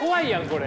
これ。